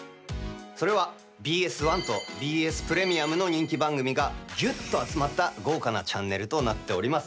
それは、ＢＳ１とＢＳプレミアムの人気番組がぎゅっと集まった豪華なチャンネルとなっております。